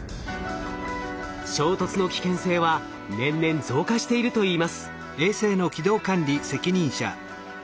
衝突の危険性は年々増加しているといいます。